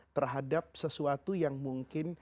terhadap sesuatu yang mungkin